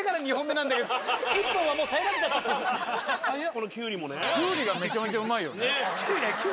このきゅうりもね。ねぇ！